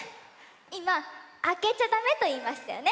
いま「あけちゃだめ」といいましたよね。